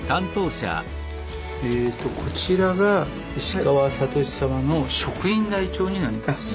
こちらが石川智様の職員台帳になります。